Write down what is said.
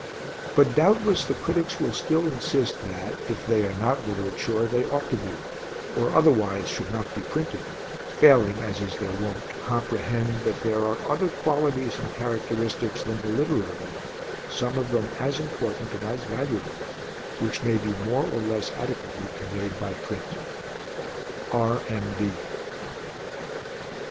But doubtless the critics will still insist that, if they are not literature, they ought to be, or otherwise should not be printed, failing (as is their wont) to comprehend that there are other qualities and characteristics than the literary, some of them as important and as valuable, which may be more or less adequately conveyed by print. R. M. B.